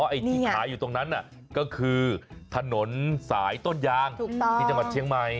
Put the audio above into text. ไอ้ที่ขายอยู่ตรงนั้นก็คือถนนสายต้นยางที่จังหวัดเชียงใหม่